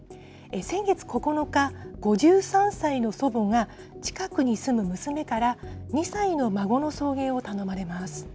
先月９日、５３歳の祖母が、近くに住む娘から２歳の孫の送迎を頼まれます。